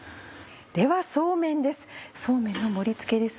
ではそうめんです